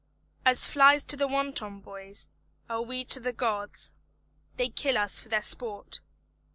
"As flies to wanton boys, are we to the gods; They kill us for their sport."